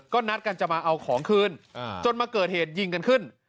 ก็นัดกันจะมาเอาของคืนจนมาเกิดเหตุยิงกันขึ้น